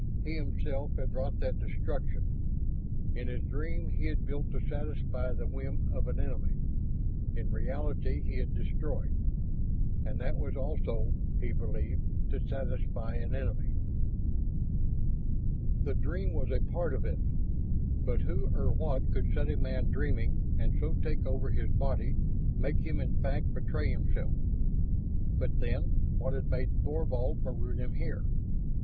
He, himself, had wrought that destruction. In his dream he had built to satisfy the whim of an enemy; in reality he had destroyed; and that was also, he believed, to satisfy an enemy. The dream was a part of it. But who or what could set a man dreaming and so take over his body, make him in fact betray himself? But then, what had made Thorvald maroon him here?